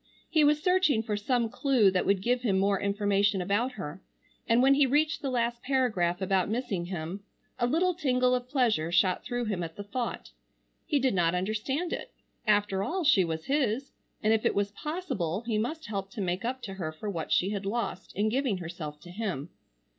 He was searching for some clue that would give him more information about her. And when he reached the last paragraph about missing him, a little tingle of pleasure shot through him at the thought. He did not understand it. After all she was his, and if it was possible he must help to make up to her for what she had lost in giving herself to him.